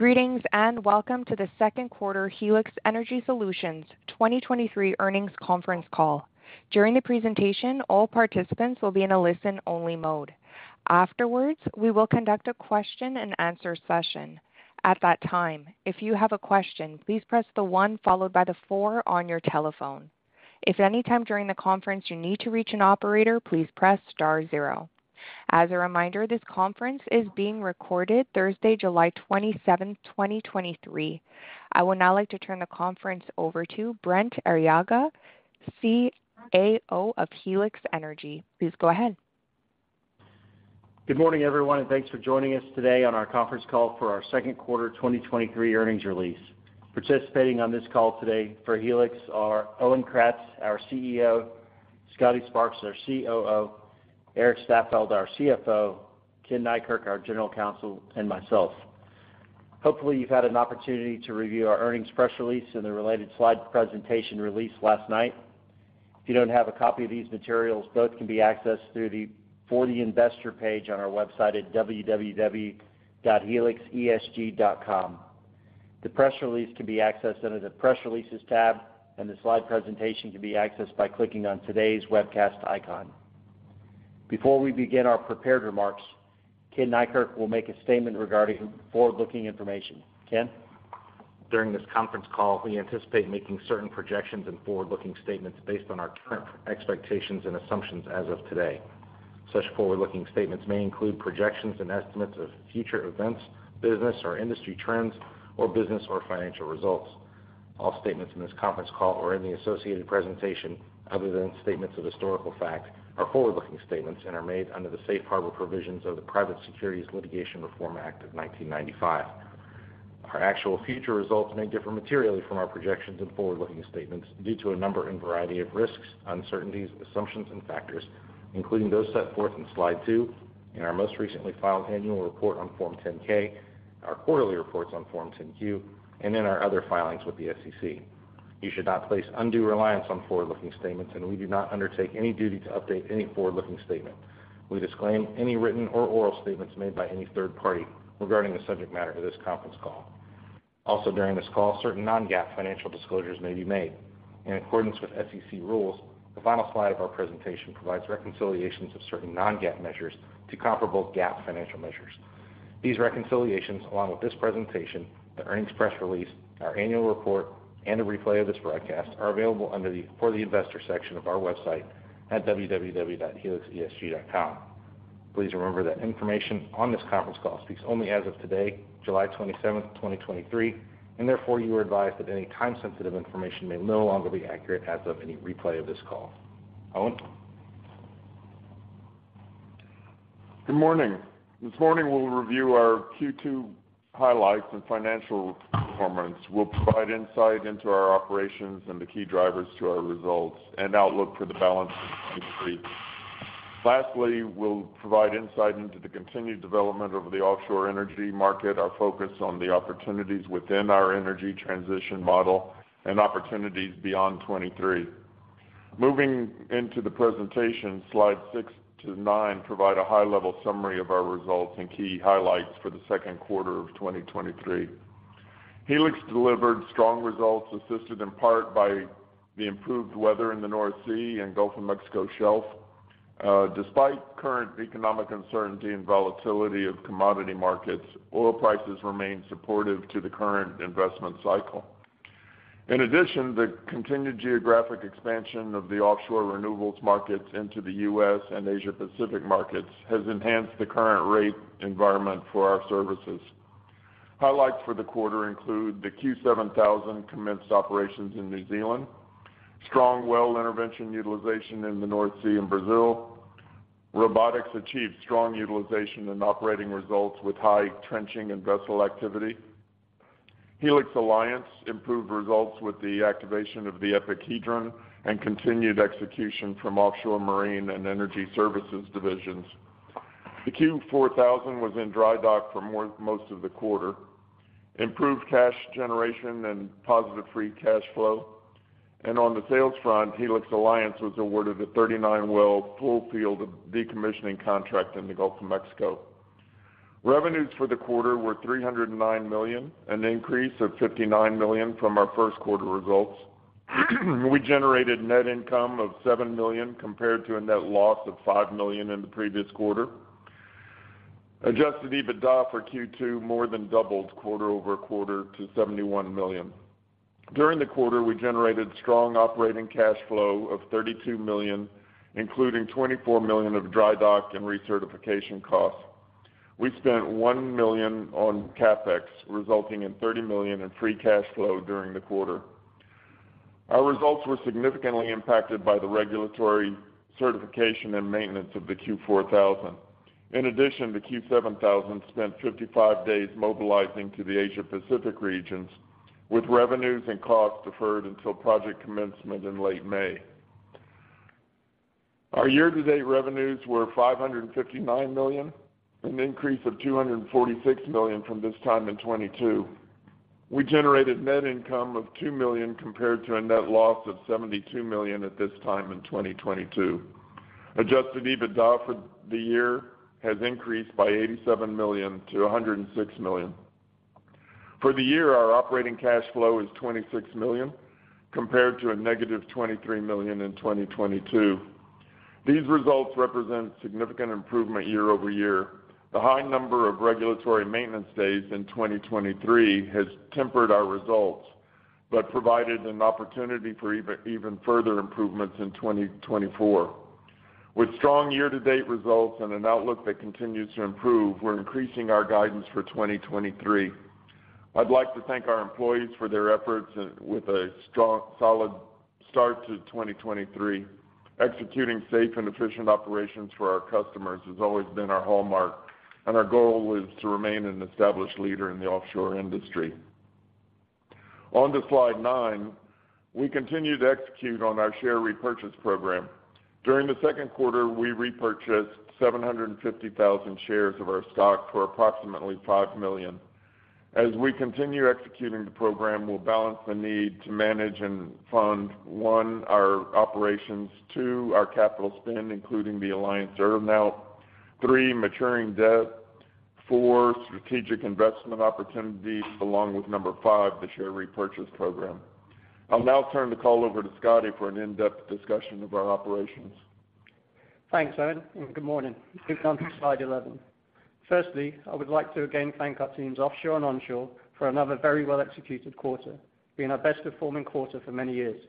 Greetings and welcome to the second quarter Helix Energy Solutions 2023 earnings conference call. During the presentation, all participants will be in a listen-only mode. Afterwards, we will conduct a question-and-answer session. At that time, if you have a question, please press the one followed by the four on your telephone. If anytime during the conference you need to reach an operator, please press star 0. As a reminder, this conference is being recorded Thursday, July 27th, 2023. I would now like to turn the conference over to Brent Arriaga, CAO of Helix Energy. Please go ahead. Good morning, everyone, thanks for joining us today on our conference call for our second quarter 2023 earnings release. Participating on this call today for Helix are Owen Kratz, our CEO, Scotty Sparks, our COO, Erik Staffeldt, our CFO, Ken Neikirk, our General Counsel, and myself. Hopefully, you've had an opportunity to review our earnings press release and the related slide presentation released last night. If you don't have a copy of these materials, both can be accessed through the For The Investor page on our website at www.helixesg.com. The press release can be accessed under the Press Releases tab, and the slide presentation can be accessed by clicking on today's webcast icon. Before we begin our prepared remarks, Ken Neikirk will make a statement regarding forward-looking information. Ken? During this conference call, we anticipate making certain projections and forward-looking statements based on our current expectations and assumptions as of today. Such forward-looking statements may include projections and estimates of future events, business or industry trends, or business or financial results. All statements in this conference call or in the associated presentation, other than statements of historical fact, are forward-looking statements and are made under the safe harbor provisions of the Private Securities Litigation Reform Act of 1995. Our actual future results may differ materially from our projections and forward-looking statements due to a number and variety of risks, uncertainties, assumptions, and factors, including those set forth in Slide 2, in our most recently filed annual report on Form 10-K, our quarterly reports on Form 10-Q, and in our other filings with the SEC. You should not place undue reliance on forward-looking statements. We do not undertake any duty to update any forward-looking statement. We disclaim any written or oral statements made by any third party regarding the subject matter of this conference call. During this call, certain non-GAAP financial disclosures may be made. In accordance with SEC rules, the final slide of our presentation provides reconciliations of certain non-GAAP measures to comparable GAAP financial measures. These reconciliations, along with this presentation, the earnings press release, our annual report, and a replay of this broadcast, are available under the For the Investor section of our website at www.helixesg.com. Please remember that information on this conference call speaks only as of today, July 27, 2023, and therefore you are advised that any time-sensitive information may no longer be accurate as of any replay of this call. Owen? Good morning. This morning, we'll review our Q2 highlights and financial performance. We'll provide insight into our operations and the key drivers to our results and outlook for the balance of 2023. Lastly, we'll provide insight into the continued development of the offshore energy market, our focus on the opportunities within our energy transition model, and opportunities beyond 2023. Moving into the presentation, Slides 6 to 9 provide a high-level summary of our results and key highlights for the second quarter of 2023. Helix delivered strong results, assisted in part by the improved weather in the North Sea and Gulf of Mexico Shelf. Despite current economic uncertainty and volatility of commodity markets, oil prices remain supportive to the current investment cycle. In addition, the continued geographic expansion of the offshore renewables markets into the U.S. and Asia Pacific markets has enhanced the current rate environment for our services. Highlights for the quarter include the Q7000 commenced operations in New Zealand, strong well intervention utilization in the North Sea and Brazil. Robotics achieved strong utilization and operating results with high trenching and vessel activity. Helix Alliance improved results with the activation of the EPIC Hedron and continued execution from offshore marine and energy services divisions. The Q4000 was in dry dock for most of the quarter, improved cash generation and positive free cash flow. On the sales front, Helix Alliance was awarded a 39 well, full field decommissioning contract in the Gulf of Mexico. Revenues for the quarter were $309 million, an increase of $59 million from our first quarter results. We generated net income of $7 million, compared to a net loss of $5 million in the previous quarter. Adjusted EBITDA for Q2 more than doubled quarter-over-quarter to $71 million. During the quarter, we generated strong operating cash flow of $32 million, including $24 million of dry dock and recertification costs. We spent $1 million on CapEx, resulting in $30 million in free cash flow during the quarter. Our results were significantly impacted by the regulatory certification and maintenance of the Q4000. The Q7000 spent 55 days mobilizing to the Asia Pacific regions, with revenues and costs deferred until project commencement in late May. Our year-to-date revenues were $559 million, an increase of $246 million from this time in 2022. We generated net income of $2 million compared to a net loss of $72 million at this time in 2022. Adjusted EBITDA for the year has increased by $87 million-$106 million. For the year, our operating cash flow is $26 million, compared to a negative $23 million in 2022. These results represent significant improvement year-over-year. The high number of regulatory maintenance days in 2023 has tempered our results, but provided an opportunity for even further improvements in 2024. With strong year-to-date results and an outlook that continues to improve, we're increasing our guidance for 2023. I'd like to thank our employees for their efforts and with a strong, solid start to 2023. Executing safe and efficient operations for our customers has always been our hallmark. Our goal is to remain an established leader in the offshore industry. On to Slide 9, we continue to execute on our share repurchase program. During the second quarter, we repurchased 750,000 shares of our stock for approximately $5 million. As we continue executing the program, we'll balance the need to manage and fund, one, our operations, two, our capital spend, including the Alliance earnout, three, maturing debt, four, strategic investment opportunities, along with number five, the share repurchase program. I'll now turn the call over to Scotty for an in-depth discussion of our operations. Thanks, Owen, and good morning. Please come to Slide 11. Firstly, I would like to again thank our teams offshore and onshore for another very well-executed quarter, being our best performing quarter for many years.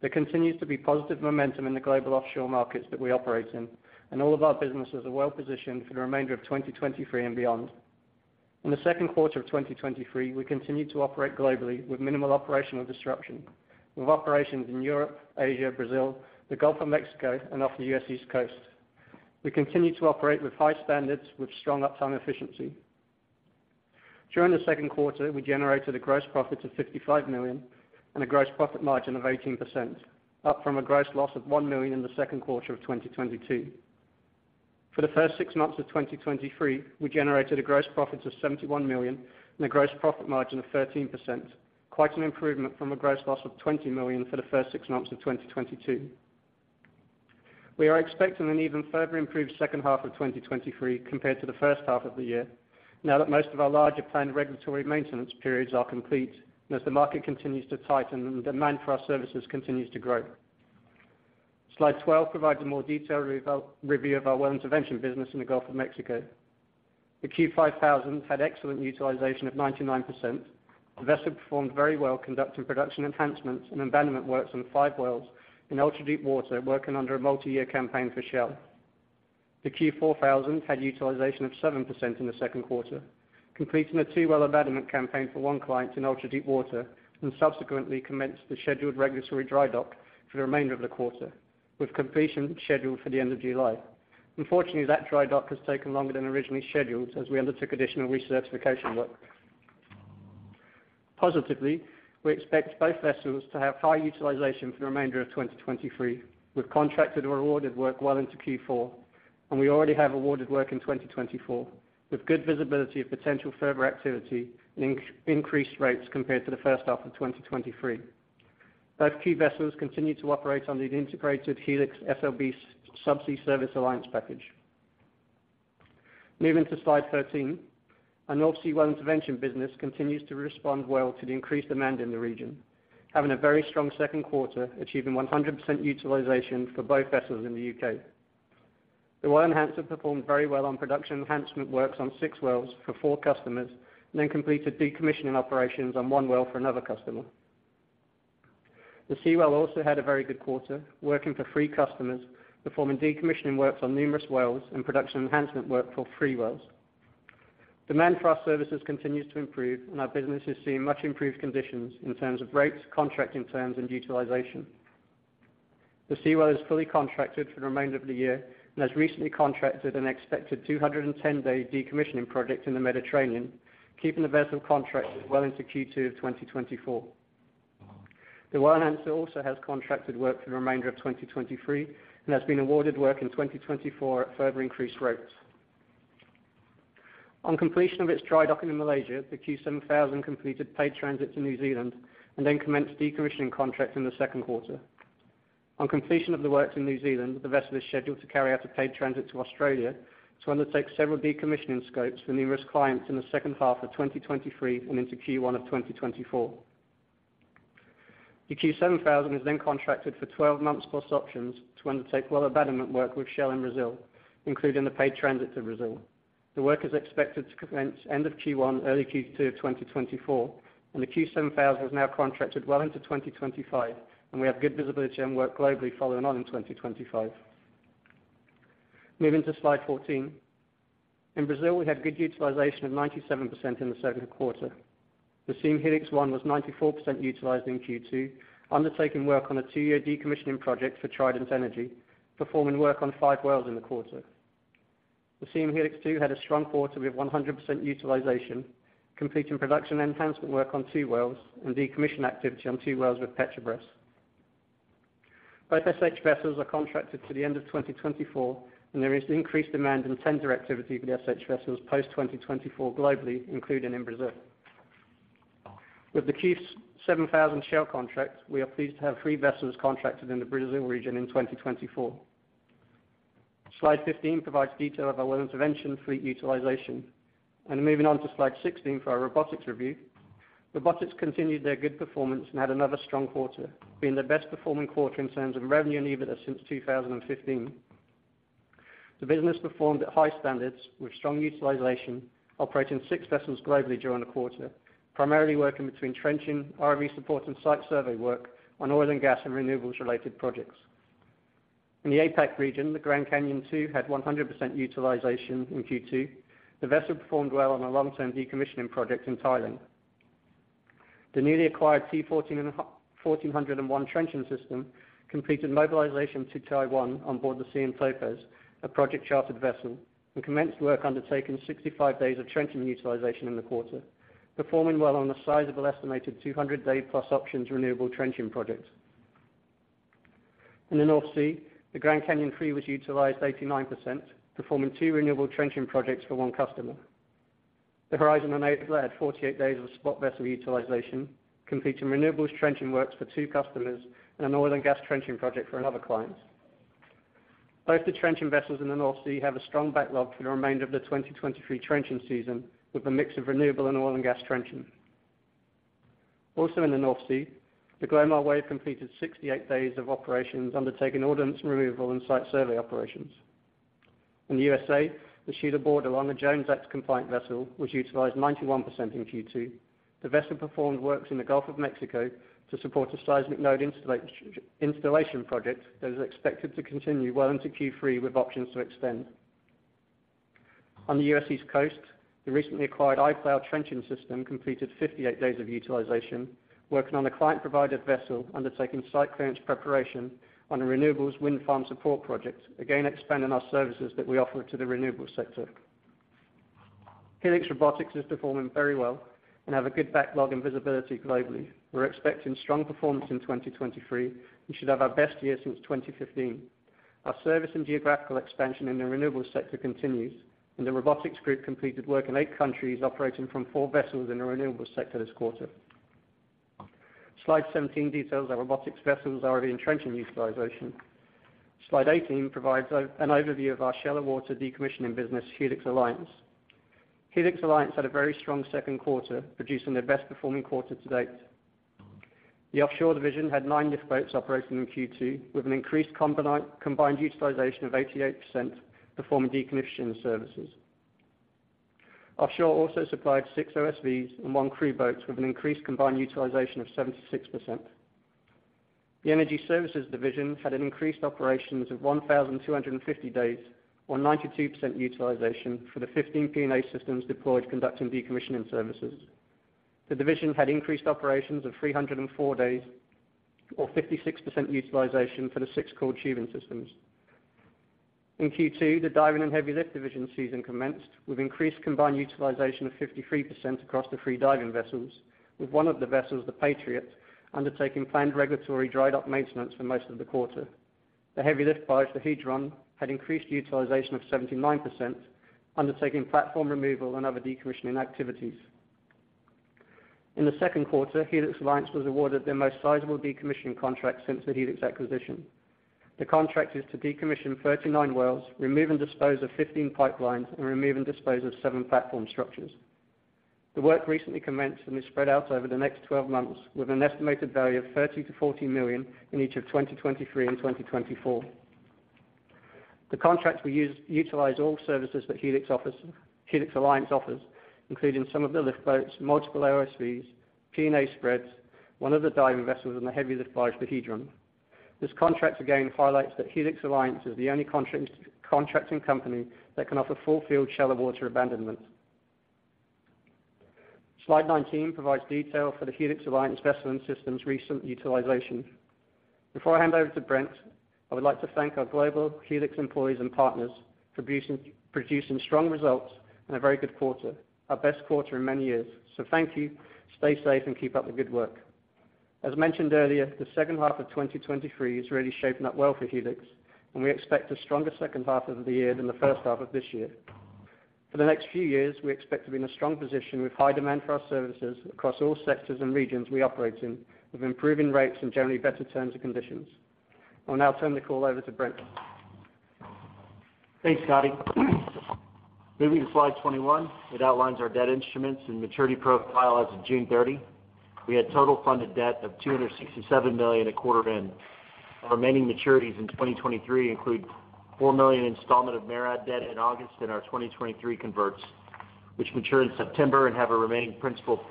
There continues to be positive momentum in the global offshore markets that we operate in, and all of our businesses are well positioned for the remainder of 2023 and beyond. In the second quarter of 2023, we continued to operate globally with minimal operational disruption, with operations in Europe, Asia, Brazil, the Gulf of Mexico, and off the U.S. East Coast. We continue to operate with high standards with strong uptime efficiency. During the second quarter, we generated a gross profit of $55 million and a gross profit margin of 18%, up from a gross loss of $1 million in the second quarter of 2022. For the first six months of 2023, we generated a gross profit of $71 million and a gross profit margin of 13%, quite an improvement from a gross loss of $20 million for the first six months of 2022. We are expecting an even further improved second half of 2023 compared to the first half of the year, now that most of our larger planned regulatory maintenance periods are complete, and as the market continues to tighten and the demand for our services continues to grow. Slide 12 provides a more detailed review of our Well Intervention business in the Gulf of Mexico. The Q5000 had excellent utilization of 99%. The vessel performed very well, conducting production enhancements and abandonment works on five wells in ultra-deep water, working under a multi-year campaign for Shell. The Q4000 had utilization of 7% in the second quarter, completing a two-well abandonment campaign for one client in ultra-deep water, and subsequently commenced the scheduled regulatory dry dock for the remainder of the quarter, with completion scheduled for the end of July. Unfortunately, that dry dock has taken longer than originally scheduled, as we undertook additional recertification work. Positively, we expect both vessels to have high utilization for the remainder of 2023, with contracted or awarded work well into Q4, and we already have awarded work in 2024, with good visibility of potential further activity and increased rates compared to the first half of 2023. Both key vessels continue to operate under the integrated Helix SLB Subsea Service Alliance package. Moving to Slide 13, our North Sea Well Intervention business continues to respond well to the increased demand in the region, having a very strong second quarter, achieving 100% utilization for both vessels in the U.K. The Well Enhancer performed very well on production enhancement works on six wells for four customers, and then completed decommissioning operations on one well for another customer. The Seawell also had a very good quarter, working for three customers, performing decommissioning works on numerous wells and production enhancement work for three wells. Demand for our services continues to improve, and our business is seeing much improved conditions in terms of rates, contracting terms, and utilization. The Seawell is fully contracted for the remainder of the year and has recently contracted an expected 210-day decommissioning project in the Mediterranean, keeping the vessel contracted well into Q2 of 2024. The Well Enhancer also has contracted work for the remainder of 2023, and has been awarded work in 2024 at further increased rates. On completion of its dry docking in Malaysia, the Q7000 completed paid transit to New Zealand and then commenced decommissioning contracts in the second quarter. On completion of the works in New Zealand, the vessel is scheduled to carry out a paid transit to Australia to undertake several decommissioning scopes for numerous clients in the second half of 2023 and into Q1 of 2024. The Q7000 is contracted for 12 months plus options to undertake well abandonment work with Shell in Brazil, including the paid transit to Brazil. The work is expected to commence end of Q1, early Q2 of 2024. The Q7000 is now contracted well into 2025, and we have good visibility and work globally following on in 2025. Moving to Slide 14. In Brazil, we had good utilization of 97% in the second quarter. The Siem Helix 1 was 94% utilized in Q2, undertaking work on a two-year decommissioning project for Trident Energy, performing work on five wells in the quarter. The Siem Helix 2 had a strong quarter with 100% utilization, completing production enhancement work on two wells and decommissioning activity on two wells with Petrobras. Both SH vessels are contracted to the end of 2024. There is increased demand and tender activity for the SH vessels post 2024 globally, including in Brazil. With the Q7000 Shell contract, we are pleased to have three vessels contracted in the Brazil region in 2024. Slide 15 provides detail of our well intervention fleet utilization. Moving on to slide 16 for our robotics review. Robotics continued their good performance and had another strong quarter, being their best performing quarter in terms of revenue and EBITDA since 2015. The business performed at high standards with strong utilization, operating six vessels globally during the quarter, primarily working between trenching, ROV support, and site survey work on oil and gas and renewables related projects. In the APAC region, the Grand Canyon II had 100% utilization in Q2. The vessel performed well on a long-term decommissioning project in Thailand. The newly acquired T1400-1 trenching system completed mobilization to Taiwan on board the Siem Topaz, a project-chartered vessel, and commenced work undertaking 65 days of trenching utilization in the quarter, performing well on a sizable estimated 200 day-plus options renewable trenching project. In the North Sea, the Grand Canyon Three was utilized 89%, performing two renewable trenching projects for one customer. The Horizon Innovator had 48 days of spot vessel utilization, completing renewables trenching works for two customers and an oil and gas trenching project for another client. Both the trenching vessels in the North Sea have a strong backlog for the remainder of the 2023 trenching season, with a mix of renewable and oil and gas trenching. In the North Sea, the Glomar Wave completed 68 days of operations, undertaking ordnance removal and site survey operations. In the U.S.A., the Shelia Bordelon, on the Jones Act compliant vessel, was utilized 91% in Q2. The vessel performed works in the Gulf of Mexico to support a seismic node installation project that is expected to continue well into Q3, with options to extend. On the U.S. East Coast, the recently acquired i-Trencher completed 58 days of utilization, working on a client-provided vessel, undertaking site clearance preparation on a renewables wind farm support project, again expanding our services that we offer to the renewables sector. Helix Robotics is performing very well and have a good backlog and visibility globally. We're expecting strong performance in 2023, and should have our best year since 2015. Our service and geographical expansion in the renewables sector continues, and the robotics group completed work in eight countries, operating from four vessels in the renewables sector this quarter. Slide 17 details our robotics vessels, ROV, and trenching utilization. Slide 18 provides an overview of our shallow water decommissioning business, Helix Alliance. Helix Alliance had a very strong second quarter, producing their best performing quarter to date. The offshore division had nine lift boats operating in Q2, with an increased combined utilization of 88%, performing decommissioning services. Offshore also supplied six OSVs and one crew boat with an increased combined utilization of 76%. The energy services division had an increased operations of 1,250 days, or 92% utilization for the 15 P&A systems deployed conducting decommissioning services. The division had increased operations of 304 days, or 56% utilization for the six coiled tubing systems. In Q2, the diving and heavy lift division season commenced with increased combined utilization of 53% across the three diving vessels, with one of the vessels, The Patriot, undertaking planned regulatory dried-up maintenance for most of the quarter. The heavy lift barge, The Hedron, had increased utilization of 79%, undertaking platform removal and other decommissioning activities. In the second quarter, Helix Alliance was awarded their most sizable decommissioning contract since the Helix acquisition. The contract is to decommission 39 wells, remove and dispose of 15 pipelines, and remove and dispose of seven platform structures. The work recently commenced and is spread out over the next 12 months, with an estimated value of $30 million-$40 million in each of 2023 and 2024. The contracts will utilize all services that Helix, Helix Alliance offers, including some of the lift boats, multiple OSVs, P&A spreads, one of the diving vessels, and the heavy lift barge, The Hedron. This contract again highlights that Helix Alliance is the only contracting company that can offer full field shallow water abandonment. Slide 19 provides detail for the Helix Alliance vessel and systems' recent utilization. Before I hand over to Brent, I would like to thank our global Helix employees and partners for producing strong results and a very good quarter, our best quarter in many years. Thank you, stay safe, and keep up the good work. As mentioned earlier, the second half of 2023 is really shaping up well for Helix, we expect a stronger second half of the year than the first half of this year. For the next few years, we expect to be in a strong position with high demand for our services across all sectors and regions we operate in, with improving rates and generally better terms and conditions. I'll now turn the call over to Brent. Thanks, Scotty. Moving to slide 21, it outlines our debt instruments and maturity profile as of June 30. We had total funded debt of $267 million at quarter end, and remaining maturities in 2023 include $4 million installment of MARAD debt in August, and our 2023 converts, which mature in September and have a remaining principal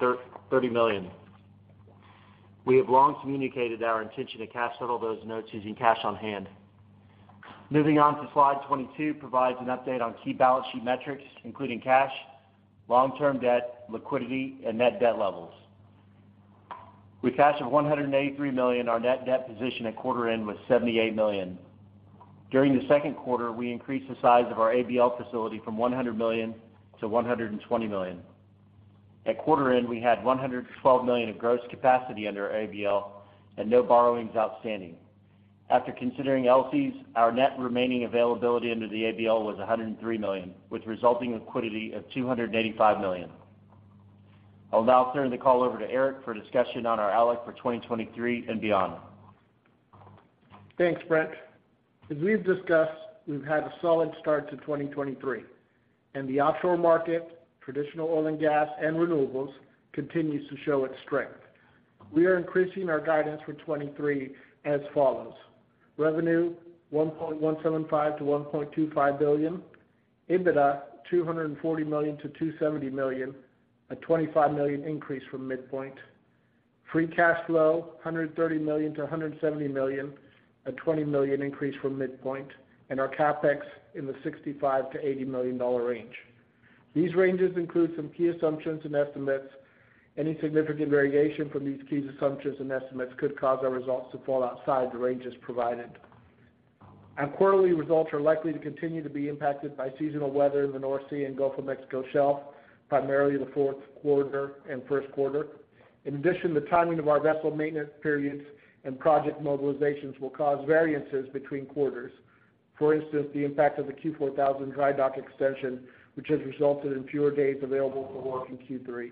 $30 million. We have long communicated our intention to cash settle those notes using cash on hand. Moving on to slide 22, provides an update on key balance sheet metrics, including cash, long-term debt, liquidity, and net debt levels. With cash of $183 million, our net debt position at quarter end was $78 million. During the second quarter, we increased the size of our ABL facility from $100 million to $120 million. At quarter end, we had $112 million of gross capacity under our ABL and no borrowings outstanding. After considering LCs, our net remaining availability under the ABL was $103 million, with resulting liquidity of $285 million. I'll now turn the call over to Erik for a discussion on our outlook for 2023 and beyond. Thanks, Brent. As we've discussed, we've had a solid start to 2023, and the offshore market, traditional oil and gas, and renewables continues to show its strength. We are increasing our guidance for 2023 as follows: revenue, $1.175 billion-$1.25 billion; EBITDA, $240 million-$270 million, a $25 million increase from midpoint; free cash flow, $130 million-$170 million, a $20 million increase from midpoint; and our CapEx in the $65 million-$80 million range. These ranges include some key assumptions and estimates. Any significant variation from these key assumptions and estimates could cause our results to fall outside the ranges provided. Our quarterly results are likely to continue to be impacted by seasonal weather in the North Sea and Gulf of Mexico Shelf, primarily in the fourth quarter and first quarter. In addition, the timing of our vessel maintenance periods and project mobilizations will cause variances between quarters. For instance, the impact of the Q4000 dry dock extension, which has resulted in fewer days available for work in Q3.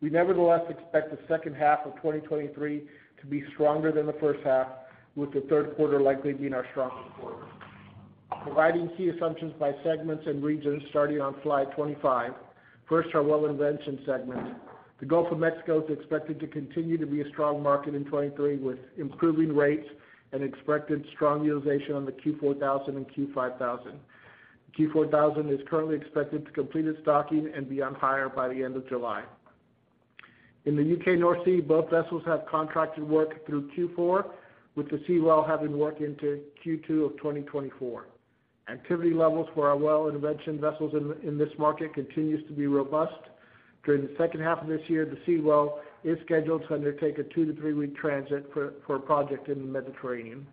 We nevertheless expect the second half of 2023 to be stronger than the first half, with the third quarter likely being our strongest quarter. Providing key assumptions by segments and regions, starting on Slide 25. First, our well intervention segment. The Gulf of Mexico is expected to continue to be a strong market in 2023, with improving rates and expected strong utilization on the Q4000 and Q5000. Q4000 is currently expected to complete its docking and be on hire by the end of July. In the U.K. North Sea, both vessels have contracted work through Q4, with the Seawell having work into Q2 of 2024. Activity levels for our well intervention vessels in this market continues to be robust. During the second half of this year, the Seawell is scheduled to undertake a two to three-week transit for a project in the Mediterranean.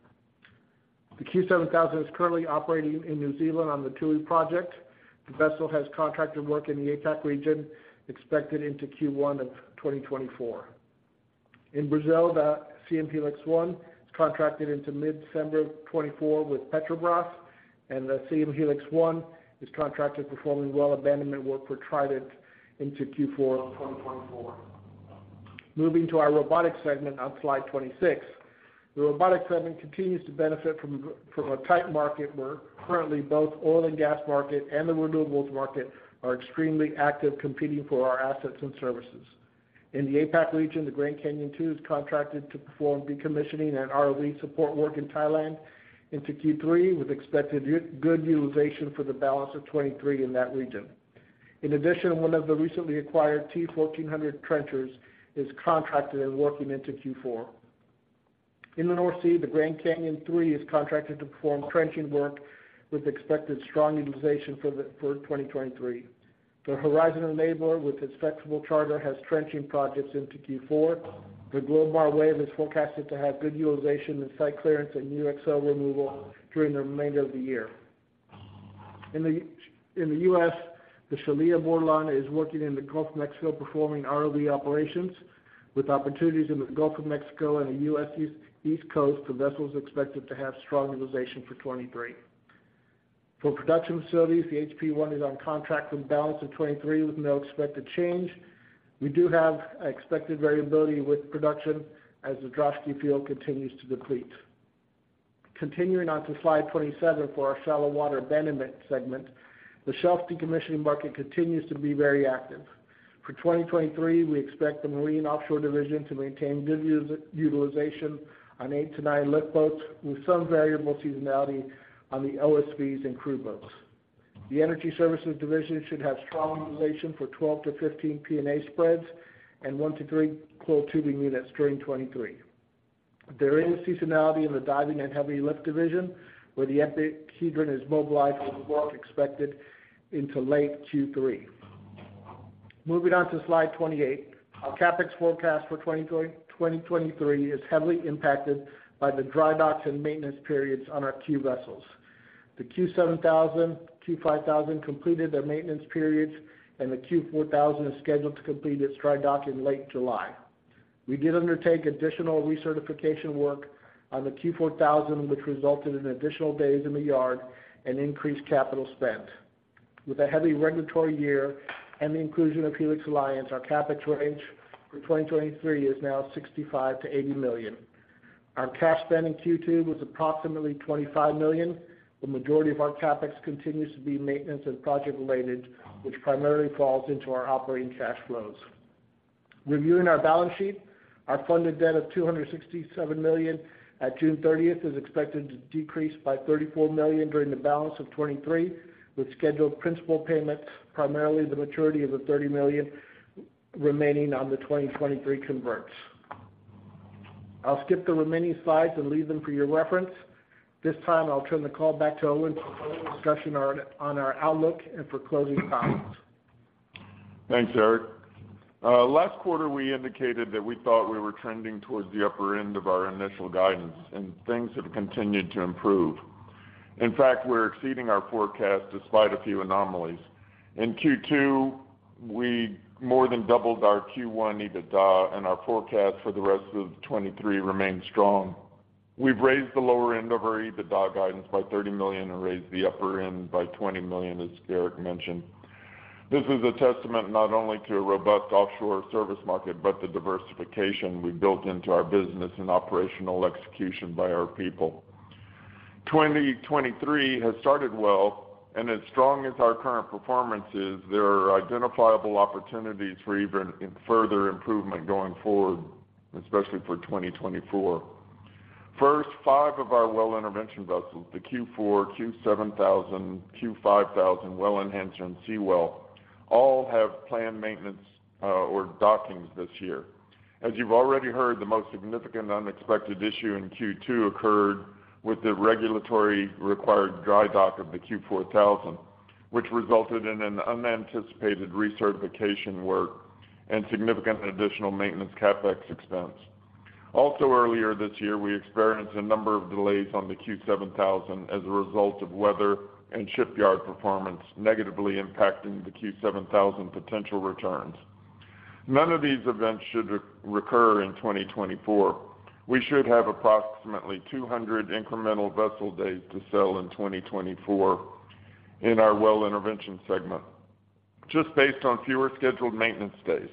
The Q7000 is currently operating in New Zealand on the TUI project. The vessel has contracted work in the APAC region, expected into Q1 of 2024. In Brazil, the Siem Helix 1 is contracted into mid-December 2024 with Petrobras, and the Siem Helix 1 is contracted, performing well abandonment work for Trident into Q4 of 2024. Moving to our robotics segment on Slide 26. The robotics segment continues to benefit from from a tight market, where currently both oil and gas market and the renewables market are extremely active, competing for our assets and services. In the APAC region, the Grand Canyon II is contracted to perform decommissioning and ROV support work in Thailand into Q3, with expected good utilization for the balance of 2023 in that region. In addition, one of the recently acquired T1400 trenchers is contracted and working into Q4. In the North Sea, the Grand Canyon III is contracted to perform trenching work with expected strong utilization for 2023. The Horizon Enabler, with its flexible charter, has trenching projects into Q4. The Glomar Wave is forecasted to have good utilization and site clearance and UXO removal during the remainder of the year. In the U.S., the Shelia Bordelon is working in the Gulf of Mexico, performing ROV operations. With opportunities in the Gulf of Mexico and the US East Coast, the vessel is expected to have strong utilization for 2023. For production facilities, the HP1 is on contract for the balance of 2023 with no expected change. We do have expected variability with production as the Draugen field continues to deplete. Continuing on to Slide 27 for our shallow water abandonment segment, the shelf decommissioning market continues to be very active. For 2023, we expect the marine offshore division to maintain good utilization on eight to nine lift boats, with some variable seasonality on the OSVs and crew boats. The energy services division should have strong utilization for 12-15 P&A spreads and 1-3 coil tubing units during 2023. There is seasonality in the diving and heavy lift division, where the EPIC Hedron is mobilized, with work expected into late Q3. Moving on to Slide 28. Our CapEx forecast for 2023 is heavily impacted by the dry docks and maintenance periods on our Q vessels. The Q7000, Q5000 completed their maintenance periods, and the Q4000 is scheduled to complete its dry dock in late July. We did undertake additional recertification work on the Q4000, which resulted in additional days in the yard and increased capital spend. With a heavy regulatory year and the inclusion of Helix Alliance, our CapEx range for 2023 is now $65 million-$80 million. Our cash spend in Q2 was approximately $25 million. The majority of our CapEx continues to be maintenance and project-related, which primarily falls into our operating cash flows. Reviewing our balance sheet, our funded debt of $267 million at June 30th is expected to decrease by $34 million during the balance of 2023, with scheduled principal payments, primarily the maturity of the $30 million remaining on the 2023 converts. I'll skip the remaining slides and leave them for your reference. This time, I'll turn the call back to Owen for a discussion on our outlook and for closing comments. Thanks, Erik. Last quarter, we indicated that we thought we were trending towards the upper end of our initial guidance. Things have continued to improve. In fact, we're exceeding our forecast despite a few anomalies. In Q2, we more than doubled our Q1 EBITDA, and our forecast for the rest of 2023 remains strong. We've raised the lower end of our EBITDA guidance by $30 million and raised the upper end by $20 million, as Erik mentioned. This is a testament not only to a robust offshore service market, but the diversification we've built into our business and operational execution by our people. 2023 has started well, and as strong as our current performance is, there are identifiable opportunities for even further improvement going forward, especially for 2024. First, five of our well intervention vessels, the Q4000, Q7000, Q5000, Well Enhancer, and Seawell, all have planned maintenance or dockings this year. As you've already heard, the most significant unexpected issue in Q2 occurred with the regulatory required dry dock of the Q4000, which resulted in an unanticipated recertification work and significant additional maintenance CapEx expense. Earlier this year, we experienced a number of delays on the Q7000 as a result of weather and shipyard performance, negatively impacting the Q7000 potential returns. None of these events should recur in 2024. We should have approximately 200 incremental vessel days to sell in 2024 in our well intervention segment, just based on fewer scheduled maintenance days.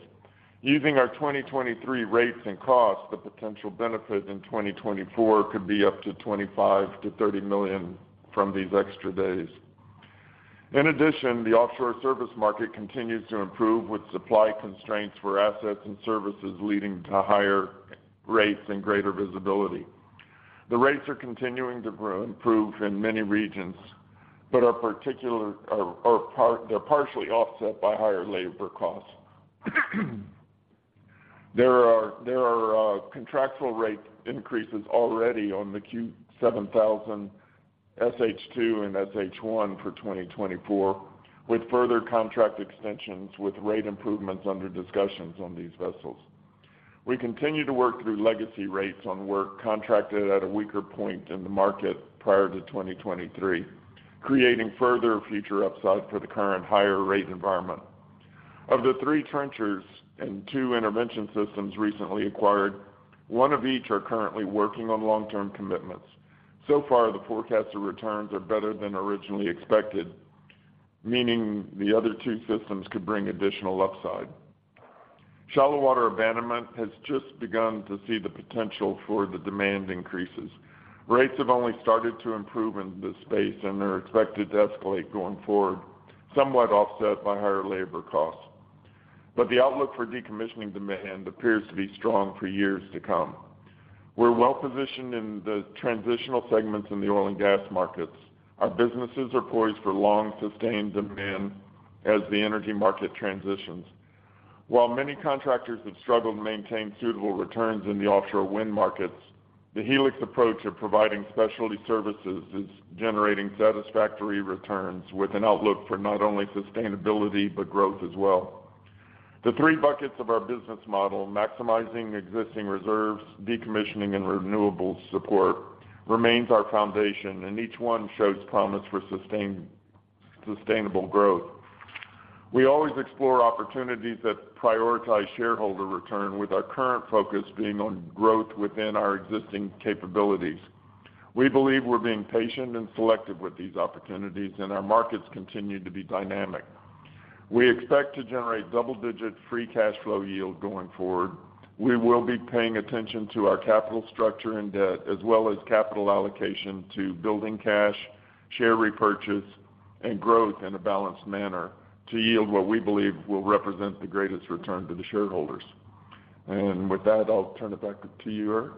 Using our 2023 rates and costs, the potential benefit in 2024 could be up to $25 million-$30 million from these extra days. In addition, the offshore service market continues to improve, with supply constraints for assets and services leading to higher rates and greater visibility. The rates are continuing to grow, improve in many regions, but are partially offset by higher labor costs. There are contractual rate increases already on the Q7000, SH2 and SH1 for 2024, with further contract extensions, with rate improvements under discussions on these vessels. We continue to work through legacy rates on work contracted at a weaker point in the market prior to 2023, creating further future upside for the current higher rate environment. Of the three trenchers and two intervention systems recently acquired, one of each are currently working on long-term commitments. So far, the forecasted returns are better than originally expected, meaning the other two systems could bring additional upside. Shallow water abandonment has just begun to see the potential for the demand increases. Rates have only started to improve in this space and are expected to escalate going forward, somewhat offset by higher labor costs. The outlook for decommissioning demand appears to be strong for years to come. We're well positioned in the transitional segments in the oil and gas markets. Our businesses are poised for long, sustained demand as the energy market transitions. While many contractors have struggled to maintain suitable returns in the offshore wind markets, the Helix approach of providing specialty services is generating satisfactory returns, with an outlook for not only sustainability, but growth as well. The three buckets of our business model, maximizing existing reserves, decommissioning, and renewables support, remains our foundation, and each one shows promise for sustainable growth. We always explore opportunities that prioritize shareholder return, with our current focus being on growth within our existing capabilities. We believe we're being patient and selective with these opportunities, and our markets continue to be dynamic. We expect to generate double-digit free cash flow yield going forward. We will be paying attention to our capital structure and debt, as well as capital allocation to building cash, share repurchase, and growth in a balanced manner to yield what we believe will represent the greatest return to the shareholders. With that, I'll turn it back to you, Erik.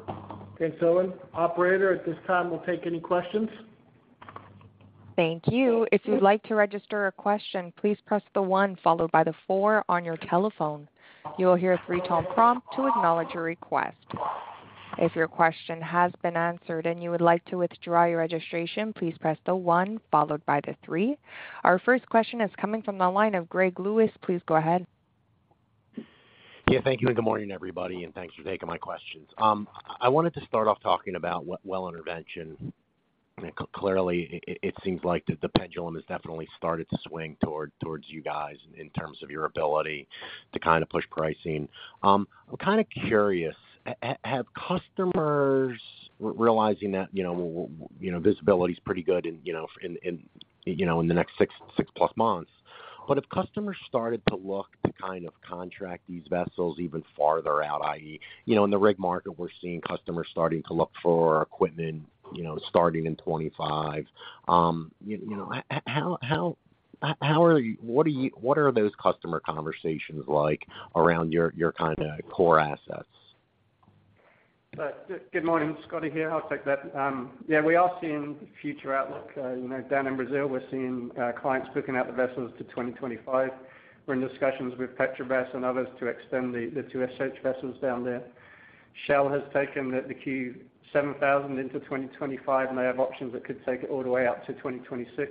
Thanks, Owen. Operator, at this time, we'll take any questions. Thank you. If you'd like to register a question, please press the one followed by the four on your telephone. You will hear a three-tone prompt to acknowledge your request. If your question has been answered and you would like to withdraw your registration, please press the one followed by the three. Our first question is coming from the line of Greg Lewis. Please go ahead. Yeah, thank you, and good morning, everybody, and thanks for taking my questions. I wanted to start off talking about well intervention. Clearly, it seems like that the pendulum has definitely started to swing towards you guys in terms of your ability to kind of push pricing. I'm kind of curious, have customers realizing that, you know, you know, visibility is pretty good in, you know, in, in, you know, in the next 6+ months? If customers started to look to kind of contract these vessels even farther out, i.e., you know, in the rig market, we're seeing customers starting to look for equipment, you know, starting in 25. You know, what are those customer conversations like around your kind of core assets? Good morning. Scotty here. I'll take that. Yeah, we are seeing future outlook. You know, down in Brazil, we're seeing clients booking out the vessels to 2025. We're in discussions with Petrobras and others to extend the two SH vessels down there. Shell has taken the Q7000 into 2025, they have options that could take it all the way out to 2026.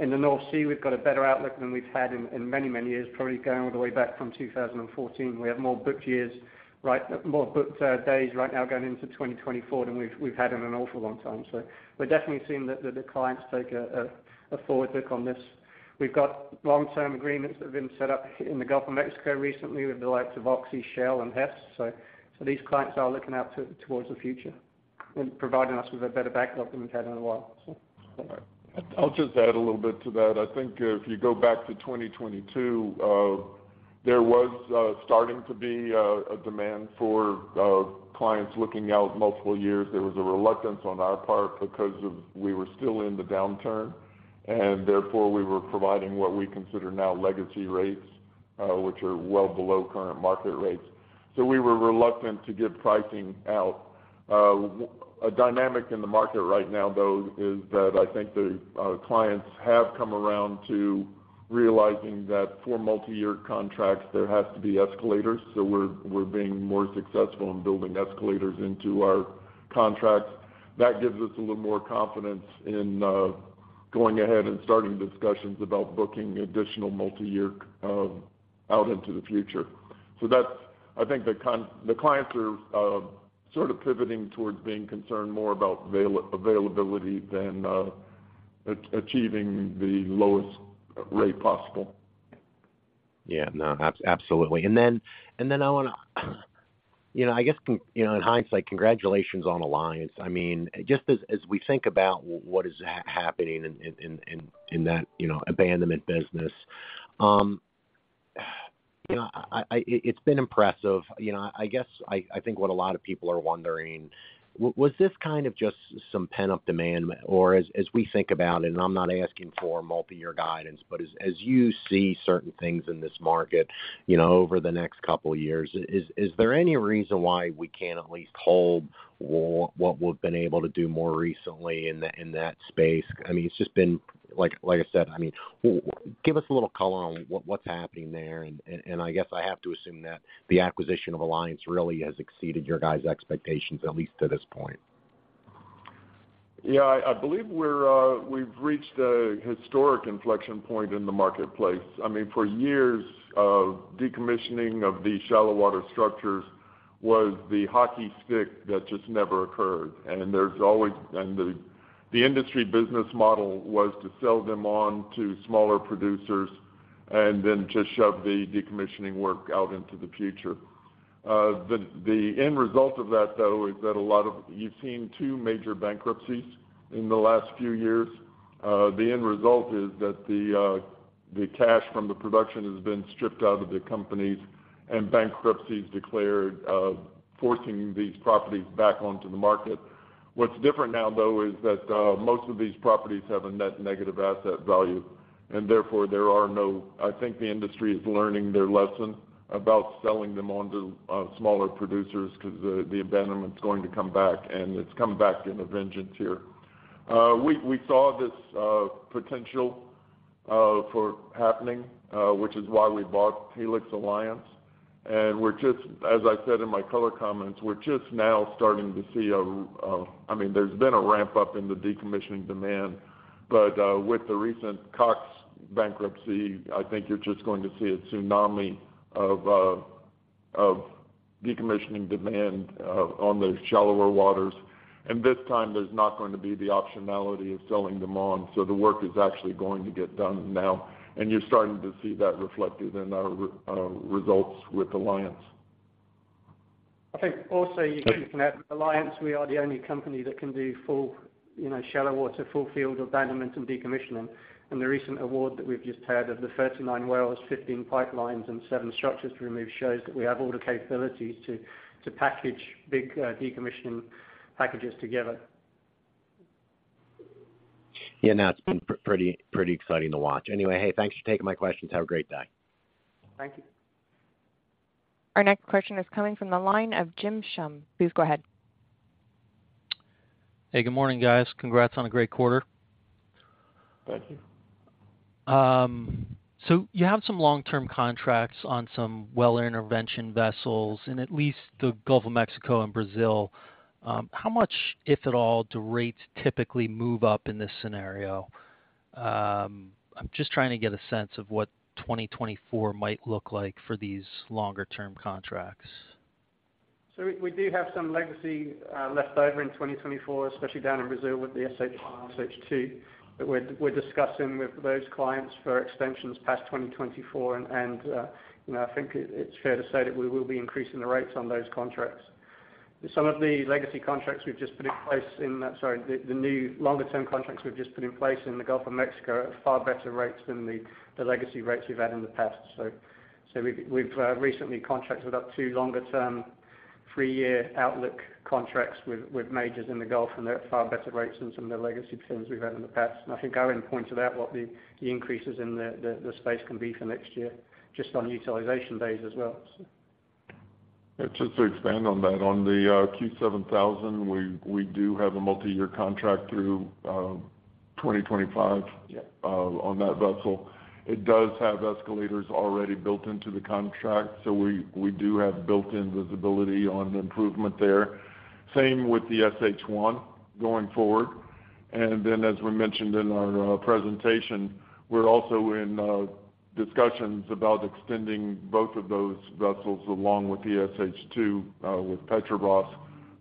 In the North Sea, we've got a better outlook than we've had in many, many years, probably going all the way back from 2014. We have more booked years, right, more booked days right now going into 2024 than we've had in an awful long time. We're definitely seeing that the clients take a forward look on this. We've got long-term agreements that have been set up in the Gulf of Mexico recently with the likes of Oxy, Shell, and Hess. These clients are looking out towards the future and providing us with a better backlog than we've had in a while. I'll just add a little bit to that. I think if you go back to 2022, there was starting to be a demand for clients looking out multiple years. There was a reluctance on our part because of we were still in the downturn, and therefore, we were providing what we consider now legacy rates, which are well below current market rates. We were reluctant to give pricing out. A dynamic in the market right now, though, is that I think the clients have come around to realizing that for multiyear contracts, there has to be escalators, so we're being more successful in building escalators into our contracts. That gives us a little more confidence in going ahead and starting discussions about booking additional multiyear out into the future. That's, I think, the clients are sort of pivoting towards being concerned more about availability than achieving the lowest rate possible. Yeah, no, absolutely. I want to, you know, I guess, from, you know, in hindsight, congratulations on Alliance. I mean, just as we think about what is happening in that, you know, abandonment business, you know, it's been impressive. You know, I guess, I think what a lot of people are wondering, was this kind of just some pent-up demand? As we think about, and I'm not asking for multiyear guidance, but as you see certain things in this market, you know, over the next couple of years, is there any reason why we can't at least hold what we've been able to do more recently in that space? I mean, it's just been like I said, I mean, give us a little color on what, what's happening there? I guess I have to assume that the acquisition of Alliance really has exceeded your guys' expectations, at least to this point. I believe we're we've reached a historic inflection point in the marketplace. I mean, for years, decommissioning of these shallow water structures was the hockey stick that just never occurred. There's always, the industry business model was to sell them on to smaller producers, and then just shove the decommissioning work out into the future. The end result of that, though, is that you've seen two major bankruptcies in the last few years. The end result is that the cash from the production has been stripped out of the companies and bankruptcies declared, forcing these properties back onto the market. What's different now, though, is that most of these properties have a net negative asset value, and therefore, there are no. I think the industry is learning their lesson about selling them on to smaller producers because the, the abandonment's going to come back, and it's come back in a vengeance here. We saw this potential for happening, which is why we bought Helix Alliance. We're just, as I said in my color comments, we're just now starting to see, I mean, there's been a ramp-up in the decommissioning demand. With the recent Cox bankruptcy, I think you're just going to see a tsunami of decommissioning demand on those shallower waters. This time, there's not going to be the optionality of selling them on, so the work is actually going to get done now, and you're starting to see that reflected in our results with Alliance. I think also you can add, with Alliance, we are the only company that can do full, you know, shallow water, full field abandonment and decommissioning. The recent award that we've just had of the 39 wells, 15 pipelines, and seven structures to remove, shows that we have all the capabilities to package big decommissioning packages together. Yeah, no, it's been pretty exciting to watch. Hey, thanks for taking my questions. Have a great day. Thank you. Our next question is coming from the line of James Schumm. Please go ahead. Hey, good morning, guys. Congrats on a great quarter. Thank you. You have some long-term contracts on some well intervention vessels in at least the Gulf of Mexico and Brazil. How much, if at all, do rates typically move up in this scenario? I'm just trying to get a sense of what 2024 might look like for these longer-term contracts. We do have some legacy left over in 2024, especially down in Brazil with the SH1 and SH2. We're discussing with those clients for extensions past 2024, and you know, I think it's fair to say that we will be increasing the rates on those contracts. Some of the legacy contracts we've just put in place, the new longer-term contracts we've just put in place in the Gulf of Mexico are at far better rates than the legacy rates we've had in the past. We've recently contracted up two longer-term, three-year outlook contracts with majors in the Gulf, and they're at far better rates than some of the legacy business we've had in the past. I think Owen pointed out what the increases in the space can be for next year, just on utilization days as well. Yeah, just to expand on that, on the Q7000, we do have a multiyear contract through 2025. Yeah on that vessel. It does have escalators already built into the contract, so we do have built-in visibility on improvement there. Same with the SH1 going forward. As we mentioned in our presentation, we're also in discussions about extending both of those vessels, along with the SH-2 with Petrobras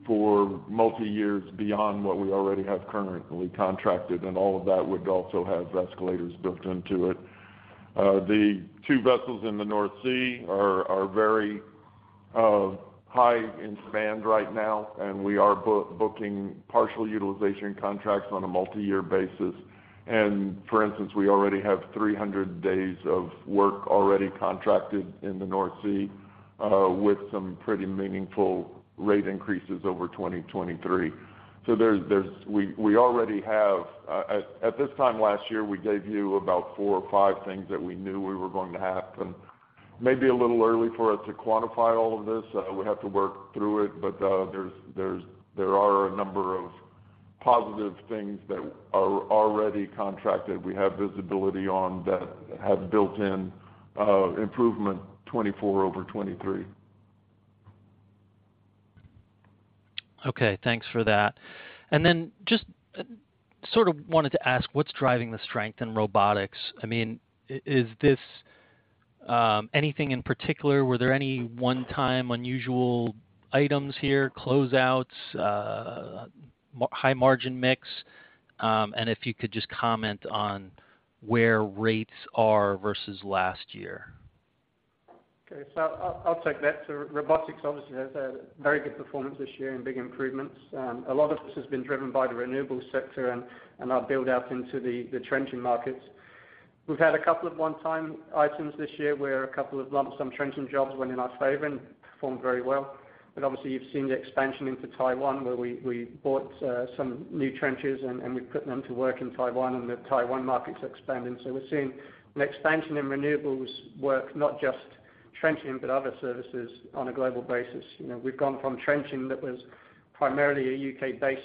for multi-years beyond what we already have currently contracted, and all of that would also have escalators built into it. The two vessels in the North Sea are very high in demand right now, and we are booking partial utilization contracts on a multi-year basis. For instance, we already have 300 days of work already contracted in the North Sea with some pretty meaningful rate increases over 2023. There's, we already have, at this time last year, we gave you about four or five things that we knew were going to happen. Maybe a little early for us to quantify all of this. We have to work through it, but there's, there are a number of positive things that are already contracted. We have visibility on that have built-in, improvement 2024 over 2023. Okay, thanks for that. just, sort of wanted to ask, what's driving the strength in robotics? I mean, Is this, anything in particular? Were there any one-time unusual items here, closeouts, high margin mix? If you could just comment on where rates are versus last year. I'll take that. Robotics obviously has had very good performance this year and big improvements. A lot of this has been driven by the renewables sector and our build out into the trenching markets. We've had a couple of one-time items this year, where a couple of lumps, some trenching jobs went in our favor and performed very well. Obviously, you've seen the expansion into Taiwan, where we bought some new trenches, and we've put them to work in Taiwan, and the Taiwan market's expanding. We're seeing an expansion in renewables work, not just trenching, but other services on a global basis. You know, we've gone from trenching that was primarily a U.K. based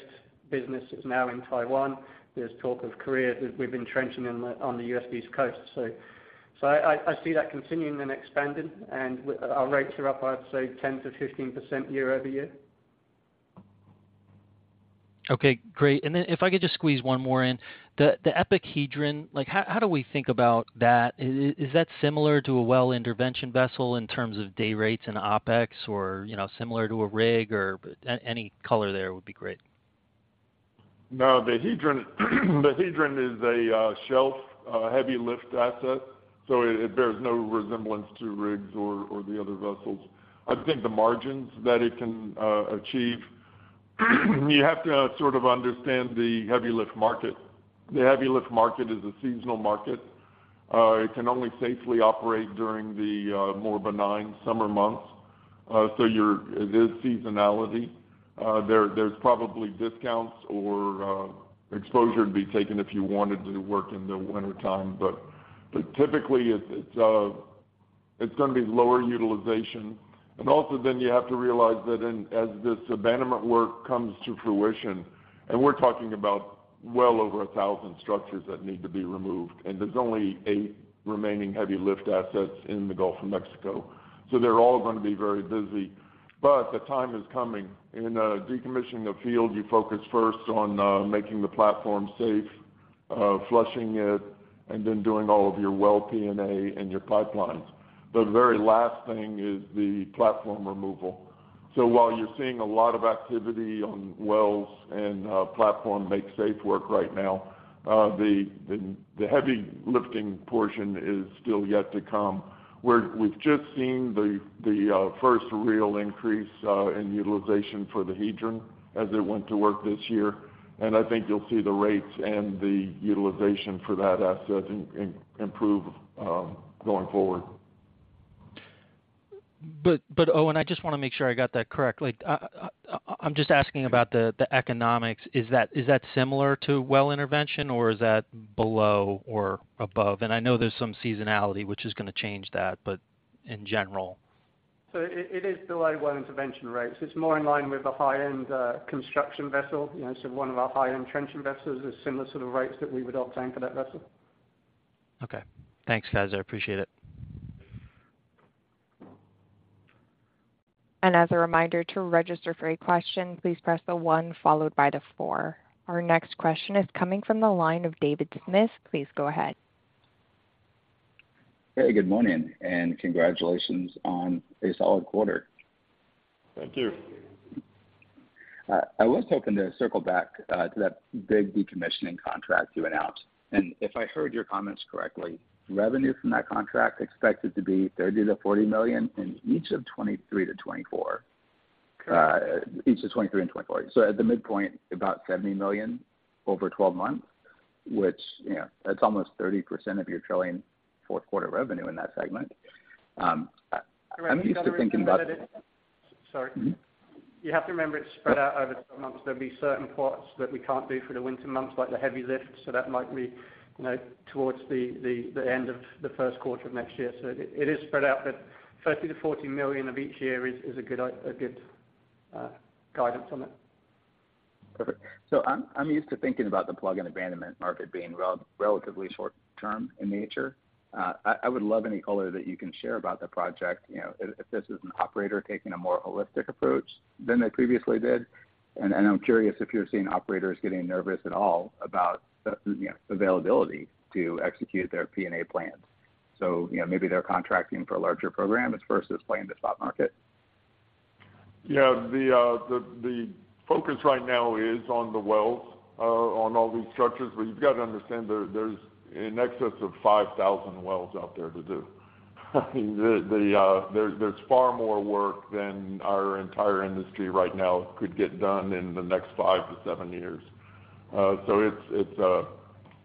business, it's now in Taiwan. There's talk of Korea. We've been trenching on the U.S. East Coast. I see that continuing and expanding, and our rates are up, I'd say, 10%-15% year-over-year. Okay, great. Then if I could just squeeze one more in. The EPIC Hedron, like, how do we think about that? Is that similar to a well intervention vessel in terms of day rates and OpEx, or, you know, similar to a rig or? Any color there would be great. No, the Hedron is a shelf heavy lift asset, so it bears no resemblance to rigs or the other vessels. I think the margins that it can achieve, you have to sort of understand the heavy lift market. The heavy lift market is a seasonal market. It can only safely operate during the more benign summer months. It is seasonality. There's probably discounts or exposure to be taken if you wanted to work in the wintertime. Typically, it's gonna be lower utilization. Also, then you have to realize that in, as this abandonment work comes to fruition, and we're talking about well over 1,000 structures that need to be removed, and there's only eight remaining heavy lift assets in the Gulf of Mexico. They're all gonna be very busy. The time is coming. In decommissioning a field, you focus first on making the platform safe, flushing it, and then doing all of your well PNA and your pipelines. The very last thing is the platform removal. While you're seeing a lot of activity on wells and platform make safe work right now, the heavy lifting portion is still yet to come. We've just seen the first real increase in utilization for the EPIC Hedron as it went to work this year, and I think you'll see the rates and the utilization for that asset improve going forward. Owen, I just wanna make sure I got that correct. Like, I'm just asking about the economics. Is that similar to well intervention, or is that below or above? I know there's some seasonality, which is gonna change that, but in general. It is below well intervention rates. It's more in line with a high-end construction vessel. You know, one of our high-end trenching vessels is similar sort of rates that we would obtain for that vessel. Okay. Thanks, guys. I appreciate it. As a reminder, to register for a question, please press the one followed by the four. Our next question is coming from the line of David Smith. Please go ahead. Hey, good morning, and congratulations on a solid quarter. Thank you. I was hoping to circle back to that big decommissioning contract you announced. If I heard your comments correctly, revenue from that contract expected to be $30 million-$40 million in each of 2023 and 2024. At the midpoint, about $70 million over 12 months, which, you know, that's almost 30% of your trailing fourth quarter revenue in that segment. I'm used to thinking about it. Sorry. Mm-hmm. You have to remember, it's spread out over 12 months. There'll be certain parts that we can't do for the winter months, like the heavy lifts, so that might be, you know, towards the end of the first quarter of next year. It is spread out, but $30 million-$40 million of each year is a good guidance on it. Perfect. I'm used to thinking about the plug and abandonment market being relatively short term in nature. I would love any color that you can share about the project, you know, if this is an operator taking a more holistic approach than they previously did. I'm curious if you're seeing operators getting nervous at all about the, you know, availability to execute their P&A plans. Maybe they're contracting for a larger program as versus playing the spot market. Yeah, the focus right now is on the wells, on all these structures. You've got to understand, there's in excess of 5,000 wells out there to do. I mean, there's far more work than our entire industry right now could get done in the next five to seven years. It's, it's,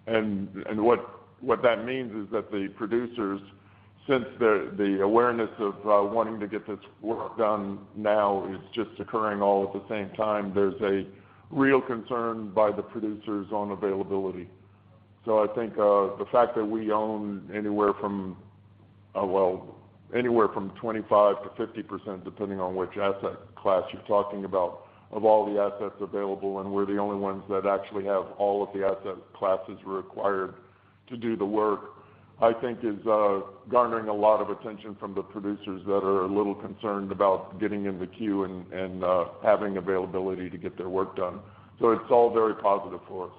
and what that means is that the producers, since the awareness of wanting to get this work done now is just occurring all at the same time, there's a real concern by the producers on availability. I think the fact that we own anywhere from, well, anywhere from 25% to 50%, depending on which asset class you're talking about, of all the assets available, and we're the only ones that actually have all of the asset classes required to do the work, I think is garnering a lot of attention from the producers that are a little concerned about getting in the queue and having availability to get their work done. It's all very positive for us.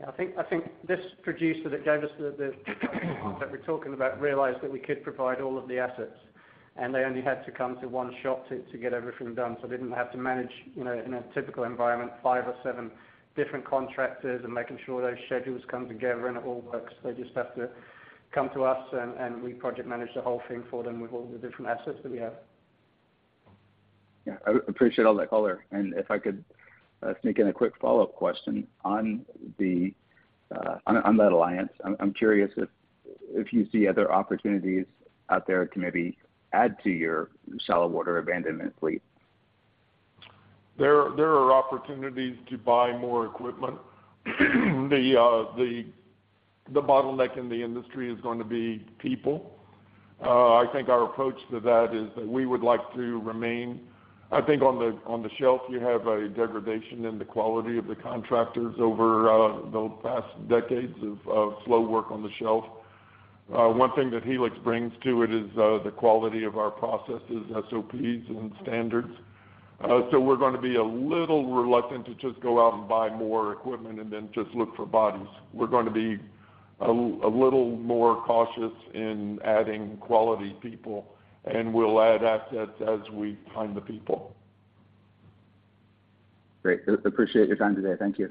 Yeah, I think this producer that gave us the, that we're talking about realized that we could provide all of the assets, and they only had to come to one shop to get everything done. They didn't have to manage, you know, in a typical environment, five or seven different contractors and making sure those schedules come together and it all works. They just have to come to us, and we project manage the whole thing for them with all the different assets that we have. Yeah, I appreciate all that color. If I could sneak in a quick follow-up question on that alliance, I'm curious if you see other opportunities out there to maybe add to your shallow water abandonment fleet? There are opportunities to buy more equipment. The bottleneck in the industry is going to be people. I think our approach to that is that we would like to remain. I think on the shelf, you have a degradation in the quality of the contractors over the past decades of slow work on the shelf. One thing that Helix brings to it is the quality of our processes, SOPs, and standards. We're gonna be a little reluctant to just go out and buy more equipment and then just look for bodies. We're gonna be a little more cautious in adding quality people, and we'll add assets as we find the people. Great. Appreciate your time today. Thank you.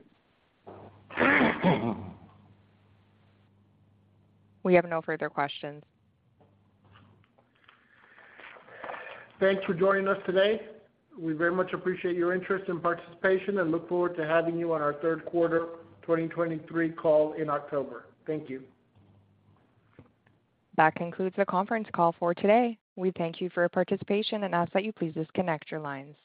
We have no further questions. Thanks for joining us today. We very much appreciate your interest and participation, and look forward to having you on our third quarter 2023 call in October. Thank you. That concludes the conference call for today. We thank you for your participation and ask that you please disconnect your lines.